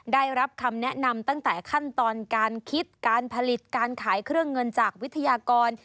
ได้รับคำแนะนำตั้งแต่ขั้นตอนการคิดการผลิตการขายเครื่องเงินจากวิทยากร